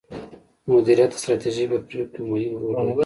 مديريت د ستراتیژۍ په پریکړو کې مهم رول لري.